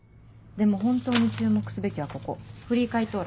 でも本当に注目すべきはここフリー回答欄。